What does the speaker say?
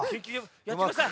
やってください。